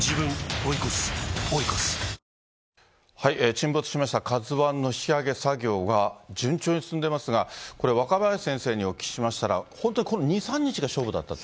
沈没しましたＫＡＺＵＩの引きあげ作業が順調に進んでますが、これ、若林先生にお聞きしましたら、本当にこの２、３日が勝負だったと。